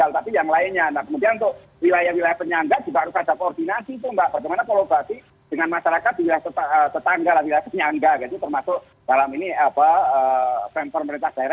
nah ini angkot itu bisa diganti dengan jendela kendaraan yang lebih lebih lagi